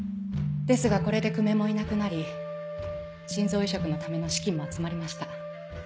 ですがこれで久米もいなくなり心臓移植のための資金も集まりました。